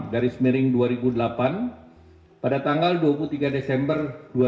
enam dari semiring dua ribu delapan pada tanggal dua puluh tiga desember dua ribu delapan